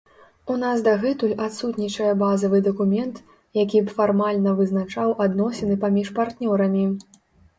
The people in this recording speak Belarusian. У нас дагэтуль адсутнічае базавы дакумент, які б фармальна вызначаў адносіны паміж партнёрамі.